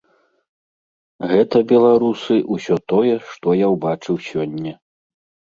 Гэта, беларусы, усё тое, што я ўбачыў сёння.